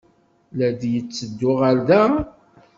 La d-yetteddu ɣer da?